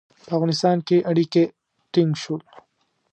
په افغانستان کې اړیکي ټینګ شول.